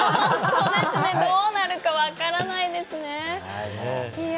どうなるか分からないですね。